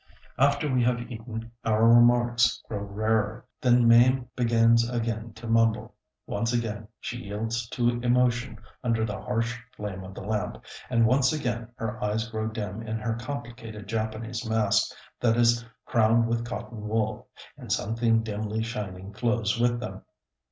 After we have eaten, our remarks grow rarer. Then Mame begins again to mumble; once again she yields to emotion under the harsh flame of the lamp, and once again her eyes grow dim in her complicated Japanese mask that is crowned with cotton wool, and something dimly shining flows from them.